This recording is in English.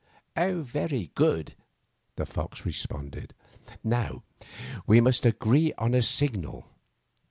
"Very good," the fox responded, "and now we must agree on a signal.